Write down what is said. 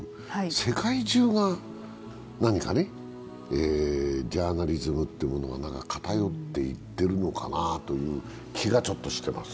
世界中がジャーナリズムっていうものが偏っていってるのかなという気がしてます。